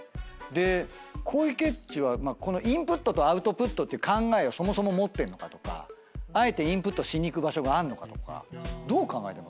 で小池っちはこのインプットとアウトプットっていう考えをそもそも持ってんのかとかあえてインプットしに行く場所があるのかとかどう考えてます？